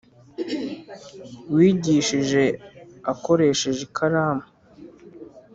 wigishije akoresheje ikaramu,